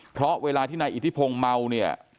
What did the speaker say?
เพราะเวลาที่นายอิทธิพงศ์เมาเนี่ย